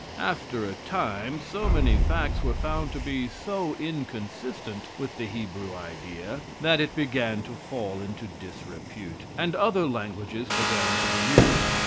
After a time so many facts were found to be so inconsistent with the Hebrew idea that it began to fall into disrepute, and other languages began to be used.